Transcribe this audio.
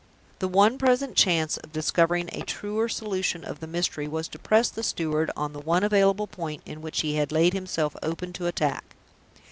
The one present chance of discovering a truer solution of the mystery was to press the steward on the one available point in which he had laid himself open to attack.